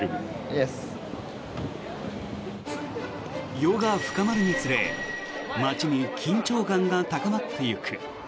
夜が深まるにつれ街に緊張感が高まっていく。